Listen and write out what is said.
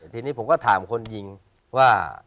ทีนี้ผมก็ถามคนยิงว่า